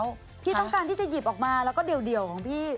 แล้วพี่ต้องการที่จะหยิบออกมาแล้วก็เดี่ยวของพี่